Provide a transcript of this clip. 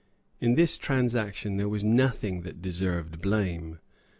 In this transaction there was nothing that deserved blame.